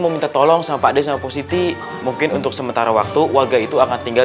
meminta tolong sampai ada yang posisi mungkin untuk sementara waktu waga itu akan tinggal